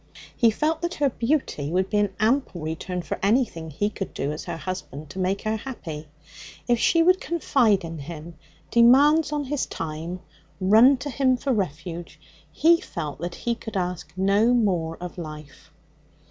He felt that her beauty would be an ample return for anything he could do as her husband to make her happy. If she would confide in him, demands on his time, run to him for refuge, he felt that he could ask no more of life.